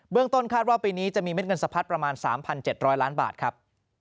ต้นคาดว่าปีนี้จะมีเม็ดเงินสะพัดประมาณ๓๗๐๐ล้านบาทครับ